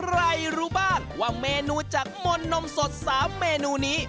รู้บ้างว่าเมนูจากมนต์นมสด๓เมนูนี้